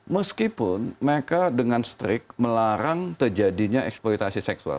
meskipun mereka dengan strict melarang terjadinya eksploitasi seksual